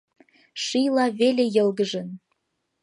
Шийла веле йылгыжын.